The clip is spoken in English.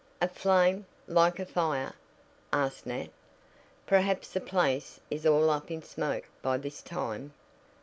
"A flame, like a fire?" asked Nat "Perhaps the place is all up in smoke by this time."